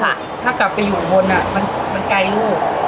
ถ้ากลับไปอยู่อุบลมันไกลลูก